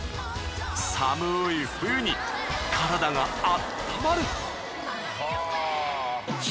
寒い冬に体があったまる！